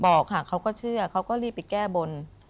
บอกค่ะเขาก็เชื่อเขาก็รีบไปแก้บน